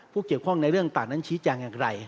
ผู้เกี่ยวข้องในเรื่องปากนั้นชี้แจงอย่างไร